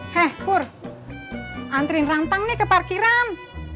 hei pur anterin rantang nih ke parkiran